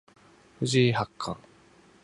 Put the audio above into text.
藤井八冠